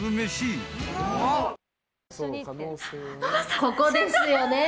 ここですよね。